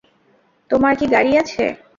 তোমার কি গাড়ি আছে?